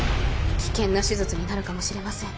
危険な手術になるかもしれません。